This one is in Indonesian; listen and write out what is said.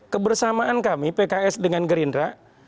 kebersamaan kami pks dengan gerindra